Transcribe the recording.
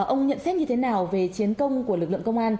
ông nhận xét như thế nào về chiến công của lực lượng công an